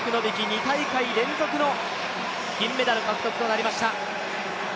２大会連続の銀メダル獲得となりました。